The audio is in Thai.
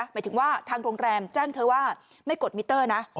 หมายถึงว่าทางโรงแรมแจ้งเธอว่าไม่กดมิเตอร์นะ